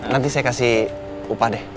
nanti saya kasih upah deh